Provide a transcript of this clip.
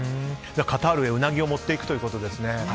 カタールへうなぎを持っていくということですね。